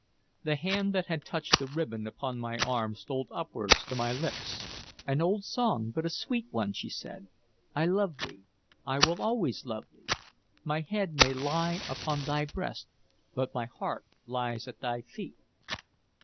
The hand that had touched the ribbon upon my arm stole upwards to my lips. "An old song, but a sweet one," she said. "I love thee. I will always love thee. My head may lie upon thy breast, but my heart lies at thy feet."